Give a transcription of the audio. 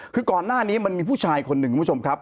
คือก่อนหน้านี้มันมีผู้ชายคนหนึ่งคุณผู้ชมครับ